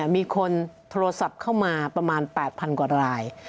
มีคนโทรศัพท์เข้ามาประมาณ๘๐๐กว่าราย